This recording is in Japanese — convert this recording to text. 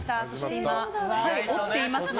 今、折っていますね。